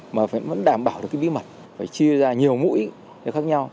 mà vẫn đảm bảo được cái bí mật phải chia ra nhiều mũi nó khác nhau